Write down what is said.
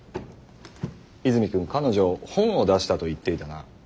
泉君彼女本を出したと言っていたな。